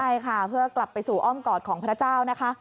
ใช่ค่ะเพื่อกลับไปสู่อ้อมกอดของพระเจ้านะคะ